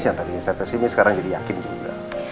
yang tadi inset pesimis sekarang jadi yakin juga